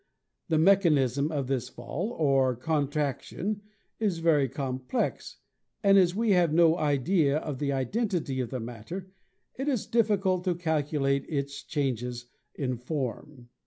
The mechanism of this fall, or contraction, is very complex, and as we have no idea of the density of the matter, it is difficult to calculate its changes in form.